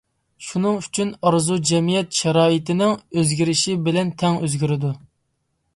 شۇنىڭ ئۈچۈن، ئارزۇ جەمئىيەت شارائىتىنىڭ ئۆزگىرىشى بىلەن تەڭ ئۆزگىرىدۇ.